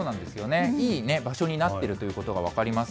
いい場所になってるということが分かります。